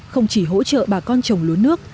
không chỉ hỗ trợ bà con trồng lúa nước